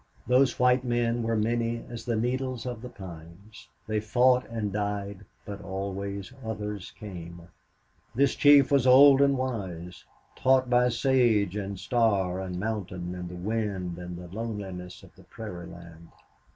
Those white men were many as the needles of the pines. They fought and died, but always others came. The chief was old and wise, taught by sage and star and mountain and wind and the loneliness of the prairie land.